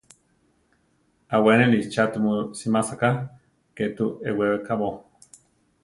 Aʼwéneli cha tumu simása ká, ké tu eʼwekábo?